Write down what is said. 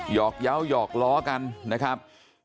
หยอกเย้ายอกล้อกันนะครับ